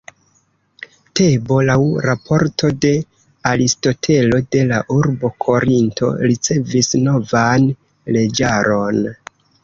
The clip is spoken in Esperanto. Tebo laŭ raporto de Aristotelo de la urbo Korinto ricevis novan leĝaron.